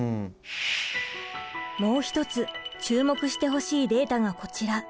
もう一つ注目してほしいデータがこちら。